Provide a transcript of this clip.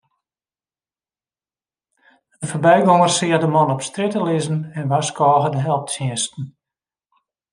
In foarbygonger seach de man op strjitte lizzen en warskôge de helptsjinsten.